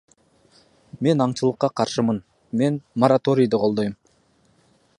Мен аңчылыкка каршымын, мен мораторийди колдойм.